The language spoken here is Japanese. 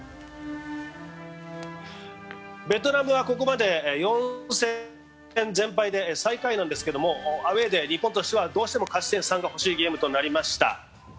ベトナムはここまで４戦全敗で最下位なんですけど、アウェーで日本としてはどうしても勝ち点３が欲しいゲームとなりました。